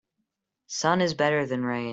Sun is better than rain.